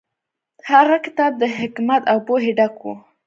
هغه کتاب د حکمت او پوهې ډک و.